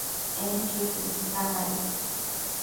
En chuiquin tan aid